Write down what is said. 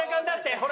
ほら！